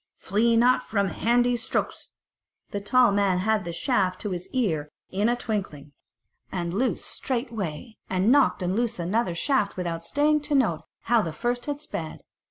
flee not from handy strokes." The tall man had the shaft to his ear in a twinkling, and loosed straightway, and nocked and loosed another shaft without staying to note how the first had sped.